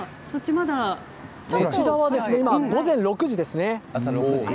こちらは午前６時です。